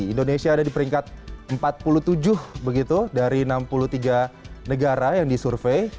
indonesia ada di peringkat empat puluh tujuh begitu dari enam puluh tiga negara yang disurvey